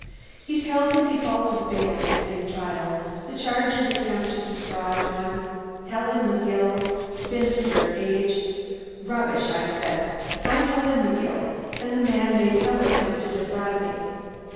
"He's held in default of bail, pending trial. The charge is attempt to defraud one Helen McGill, spinster, age..." "Rubbish!" I said. "I'm Helen McGill, and the man made no attempt to defraud me."